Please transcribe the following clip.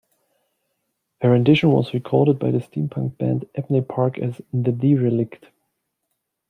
A rendition was recorded by the steampunk band Abney Park as "The Derelict".